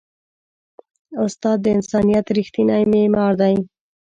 استاد د انسانیت ریښتینی معمار دی.